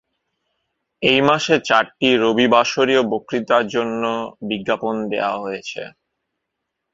এই মাসে চারটি রবিবাসরীয় বক্তৃতার জন্য বিজ্ঞাপন দেওয়া হয়েছে।